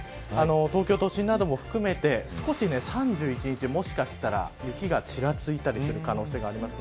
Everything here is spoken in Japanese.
東京都心なども含めて少し３１日はもしかしたら雪がちらついたりする可能性があります。